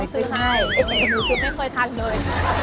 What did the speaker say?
รู้สึกไม่เคยทันเลย